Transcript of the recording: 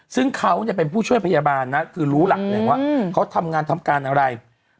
ซึ่งเขาเป็นผู้ช่วยพยาบาลนะคือรู้หลักแหล่งว่าเขาทำงานทำการอะไร